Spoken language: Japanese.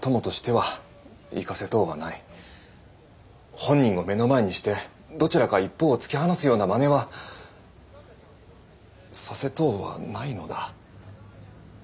本人を目の前にしてどちらか一方を突き放すようなまねはさせとうはないのだ。